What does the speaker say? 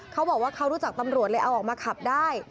เขาบอกว่าเขารู้จักตำรวจเลยเอาออกมาขับได้